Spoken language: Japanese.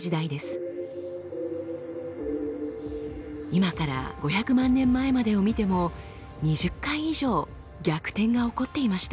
今から５００万年前までを見ても２０回以上逆転が起こっていました。